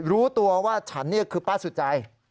รู้ตัวว่าฉันนี่คือป้าสุจัย